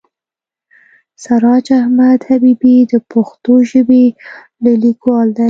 سراج احمد حبیبي د پښتو ژبې لوی لیکوال دی.